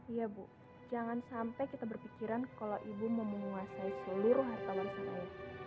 iya bu jangan sampai kita berpikiran kalau ibu mau menguasai seluruh harta warisan ayahmu